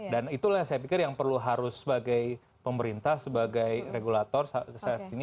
dan itulah saya pikir yang perlu harus sebagai pemerintah sebagai regulator saat ini